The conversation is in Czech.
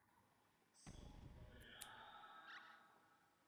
V Česku je toto druhá nejčastěji se vyskytující podoba partnerství bez soužití.